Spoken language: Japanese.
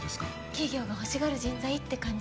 企業が欲しがる人材って感じ。